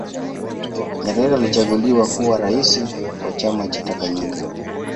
nyerere alichaguliwa kuwa raisi wa chama cha tanganyika